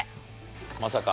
まさか？